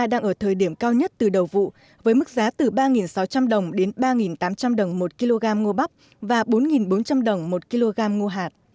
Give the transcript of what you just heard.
đang ở thời điểm cao nhất từ đầu vụ với mức giá từ ba sáu trăm linh đồng đến ba tám trăm linh đồng một kg ngô bắp và bốn bốn trăm linh đồng một kg ngô hạt